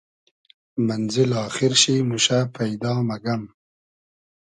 مئنزیل آخیر شی موشۂ پݷدا مئگئم